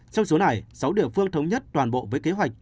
trong số này sáu địa phương thống nhất toàn bộ với kế hoạch